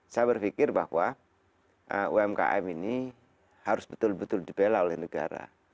saya berpikir bahwa umkm ini harus betul betul dibela oleh negara